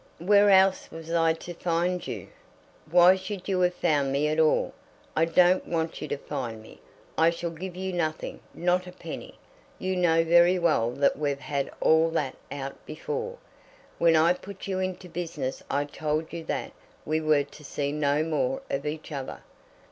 "Where else was I to find you?" "Why should you have found me at all? I don't want you to find me. I shall give you nothing; not a penny. You know very well that we've had all that out before. When I put you into business I told you that we were to see no more of each other."